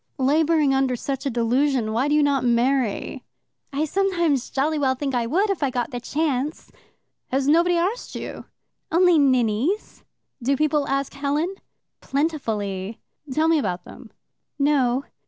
"Labouring under such a delusion, why do you not marry?" "I sometimes jolly well think I would if I got the chance." "Has nobody arst you?" "Only ninnies." "Do people ask Helen?" "Plentifully." "Tell me about them." "No."